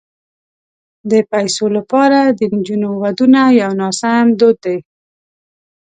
د پيسو لپاره د نجونو ودونه یو ناسم دود دی.